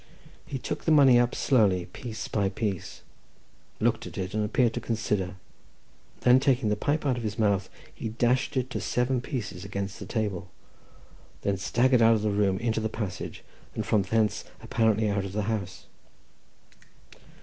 He took the money up slowly, piece by piece, looked at it, and appeared to consider; then taking the pipe out of his mouth, he dashed it to seven pieces against the table, then staggered out of the room into the passage, and from thence apparently out of the house.